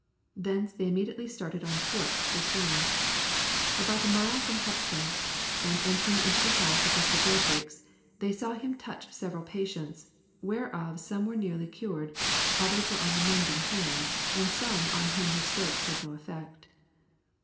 Thence they immediately started on foot to Assaune. About a mile from Cappoquin, and entering into the house of Mr. Greatrackes, they saw him touch several patients, "whereof some were nearly cured, others were on the mending hand, and some on whom his strokes had no effect."